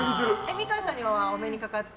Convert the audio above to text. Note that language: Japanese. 美川さんにはお目にかかって？